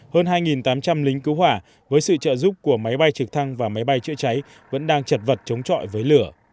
hơn hai tám trăm linh lính cứu hỏa với sự trợ giúp của máy bay trực thăng và máy bay chữa cháy vẫn đang chật vật chống trọi với lửa